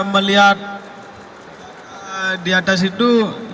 melihat diatas itu